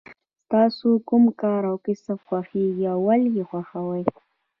ستاسو کوم کار او کسب خوښیږي او ولې یې خوښوئ.